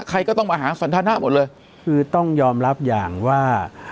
ใครก็ต้องมาหาสันทนะหมดเลยคือต้องยอมรับอย่างว่า